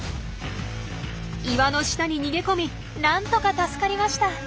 岩の下に逃げ込みなんとか助かりました。